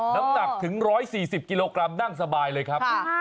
น้ำหนักถึง๑๔๐กิโลกรัมนั่งสบายเลยครับ